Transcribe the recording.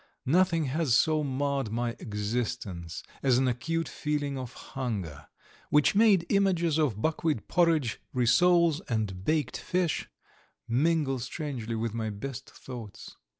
Nothing has so marred my existence as an acute feeling of hunger, which made images of buckwheat porridge, rissoles, and baked fish mingle strangely with my best thoughts.